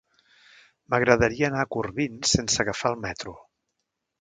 M'agradaria anar a Corbins sense agafar el metro.